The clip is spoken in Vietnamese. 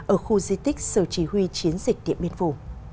ở khu di tích sở chỉ huy chiến dịch điện biên phủ